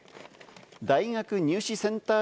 大学入試センター